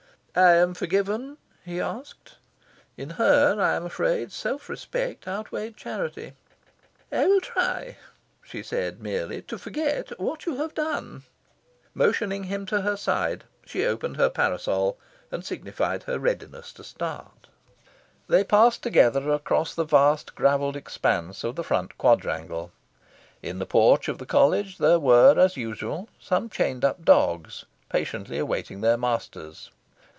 "I am forgiven?" he asked. In her, I am afraid, self respect outweighed charity. "I will try," she said merely, "to forget what you have done." Motioning him to her side, she opened her parasol, and signified her readiness to start. They passed together across the vast gravelled expanse of the Front Quadrangle. In the porch of the College there were, as usual, some chained up dogs, patiently awaiting their masters.